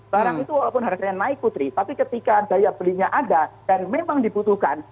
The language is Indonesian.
barang itu walaupun harganya naik putri tapi ketika daya belinya ada dan memang dibutuhkan